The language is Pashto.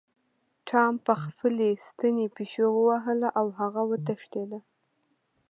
ټام په خپلې ستنې پیشو ووهله او هغه وتښتیده.